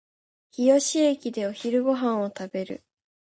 日吉駅でお昼ご飯を食べる